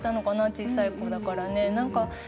小さい子だからね。